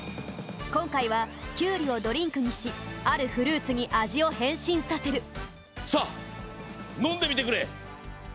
こんかいはキュウリをドリンクにしあるフルーツにあじをへんしんさせるさあのんでみてくれ。